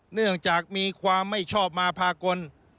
เนื่องจากมีความไม่ชอบมาพากล